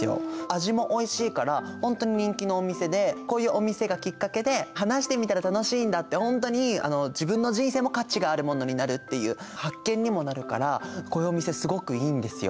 味もおいしいからほんとに人気のお店でこういうお店がきっかけで話してみたら楽しいんだってほんとに自分の人生も価値があるものになるっていう発見にもなるからこういうお店すごくいいんですよ。